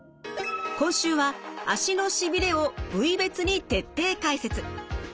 今週は足のしびれを部位別に徹底解説。